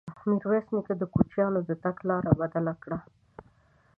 ميرويس نيکه د کوچيانو د تګ لاره بدله کړه.